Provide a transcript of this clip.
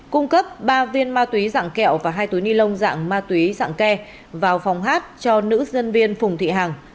cung cấp ba viên ma tuyế dạng kẹo và hai túi ni lông dạng ma tuyế dạng ke vào phòng hát cho nữ nhân viên phùng thị hàng